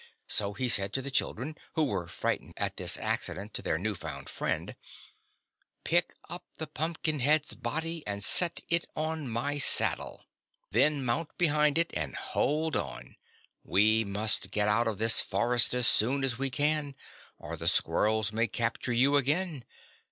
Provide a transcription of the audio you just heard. So he said to the children, who were frightened at this accident to their new found friend: "Pick up the Pumpkinhead's body and set it on my saddle. Then mount behind it and hold on. We must get out of this forest as soon as we can, or the squirrels may capture you again.